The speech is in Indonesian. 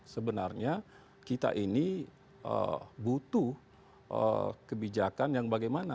sebenarnya kita ini butuh kebijakan yang bagaimana